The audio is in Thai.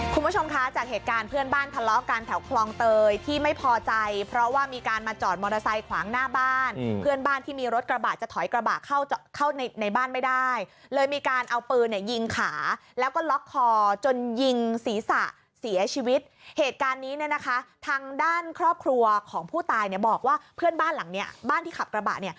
คุณผู้ชมคะจากเหตุการณ์เพื่อนบ้านทะเลาะกันแถวคลองเตยที่ไม่พอใจเพราะว่ามีการมาจอดมอเตอร์ไซค์ขวางหน้าบ้านเพื่อนบ้านที่มีรถกระบะจะถอยกระบะเข้าเข้าในในบ้านไม่ได้เลยมีการเอาปืนเนี่ยยิงขาแล้วก็ล็อกคอจนยิงศีรษะเสียชีวิตเหตุการณ์นี้เนี่ยนะคะทางด้านครอบครัวของผู้ตายเนี่ยบอกว่าเพื่อนบ้านหลังเนี้ยบ้านที่ขับกระบะเนี่ย